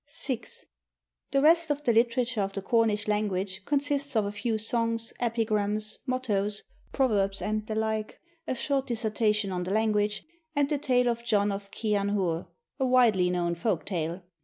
6. The rest of the literature of the Cornish language consists of a few songs, epigrams, mottoes, proverbs, and the like, a short dissertation on the language, and the tale of 'John of Chy an Hur,' a widely known folk tale.